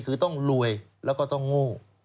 คือต้องรวยแล้วก็ต้องโง่